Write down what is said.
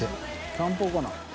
散歩かな？